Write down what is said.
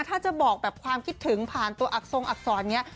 ถ้าจะบอกแบบความคิดถึงผ่านตัวอักทรงอักษรอย่างนี้